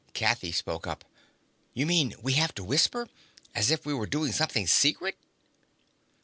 Kathy spoke up. "You mean we have to whisper? As if we were doing something secret?"